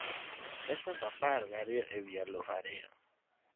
Desemba apargi ariyo e wi aluf ariyo: